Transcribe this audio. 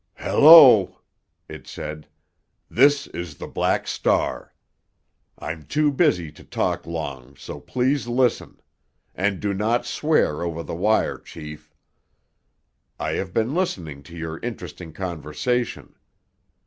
"Hello!" it said. "This is the Black Star! I'm too busy to talk long, so please listen—and do not swear over the wire, chief. I have been listening to your interesting conversation.